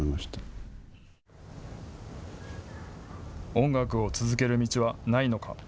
音楽を続ける道はないのか。